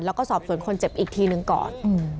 แล้วก็สอบส่วนคนเจ็บอีกทีหนึ่งก่อน